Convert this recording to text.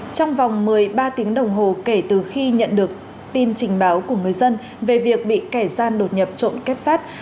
trong vòng một mươi ba tiếng đồng hồ kể từ khi nhận được tin trình báo của người dân về việc bị kẻ gian đột nhập trộm kép sát